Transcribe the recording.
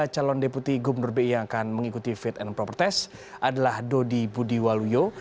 tiga calon deputi gubernur bi yang akan mengikuti fit and proper test adalah dodi budi waluyo